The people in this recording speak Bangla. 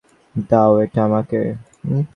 দাও এটা আমাকে!